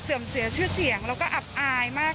เสียชื่อเสียงแล้วก็อับอายมาก